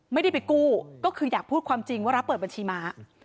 ไม่ได้ไปกู้ก็คืออยากพูดความจริงว่ารับเปิดบัญชีม้า